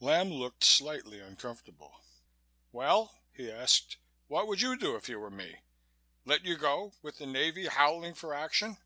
Lamb looked slightly uncomfortable. "Well?" he asked. "What would you do if you were me? Let you go, with the Navy howling for action?"